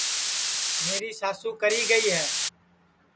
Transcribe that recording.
میری ساسو کری گی ہے